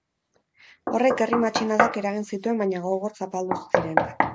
Horrek herri matxinadak eragin zituen baina gogor zapaldu ziren.